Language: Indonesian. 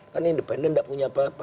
kan independen tidak punya apa apa